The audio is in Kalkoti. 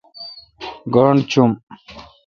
گاݨڈ چوم۔